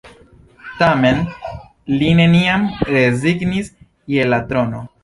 Tamen li neniam rezignis je la trono.